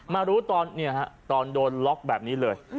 มารู้ตอนเนี่ยฮะตอนโดนล็อกแบบนี้เลย